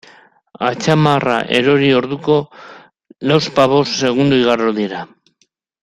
Atzamarra erori orduko, lauzpabost segundo igaro dira?